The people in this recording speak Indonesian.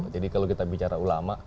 jadi kalau kita bicara ulama